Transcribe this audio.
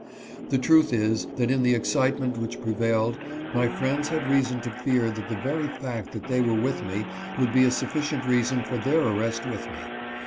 The truth is, that in the excitement which prevailed my friends had reason to fear that the very fact that they were with me would be a sufficient reason for their arrest with me.